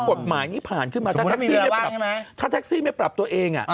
กฎหมายนี้ผ่านขึ้นมาถ้าแท็กซี่ไม่ปรับตัวเอง